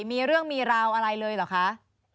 มีเรื่องมีราวอะไรเลยเหรอคะ